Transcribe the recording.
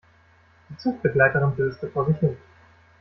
Die Zugbegleiterin döste vor sich hin.